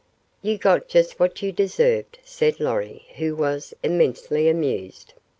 "You got just what you deserved," said Lorry, who was immensely amused.